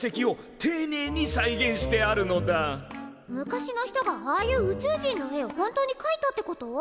昔の人がああいう宇宙人の絵を本当にかいたってこと？